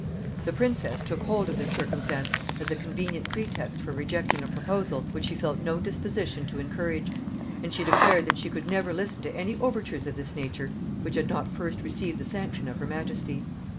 The princess took hold of this circumstance as a convenient pretext for rejecting a proposal which she felt no disposition to encourage; and she declared that she could never listen to any overtures of this nature which had not first received the sanction of her majesty.